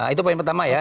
itu poin pertama ya